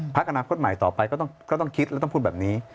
อนาคตใหม่ต่อไปก็ต้องคิดและต้องพูดแบบนี้